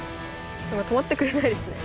とまってくれないですね。